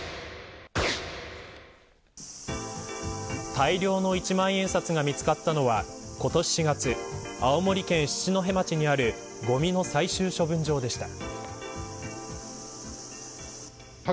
大量の１万円札が見つかったのは今年４月、青森県七戸町にあるごみの最終処分場でした。